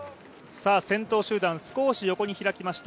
先頭集団少し横に開きました。